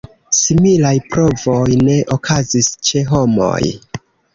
Similaj provoj ne okazis ĉe homoj.